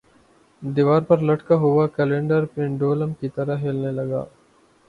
دیوار پر لٹکا ہوا کیلنڈر پنڈولم کی طرح ہلنے لگا